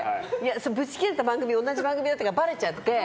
ブチギレた番組が同じ番組だったからばれちゃって。